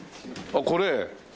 あっこれ？